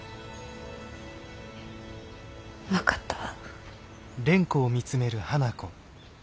分かったわ。